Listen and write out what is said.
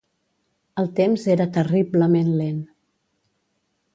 El temps era terriblement lent.